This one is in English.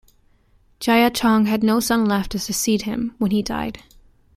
Jia Chong had no son left to succeed him when he died.